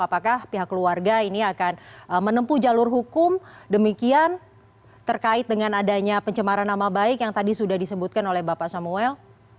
apakah pihak keluarga ini akan menempuh jalur hukum demikian terkait dengan adanya pencemaran nama baik yang tadi sudah disebutkan oleh bapak samuel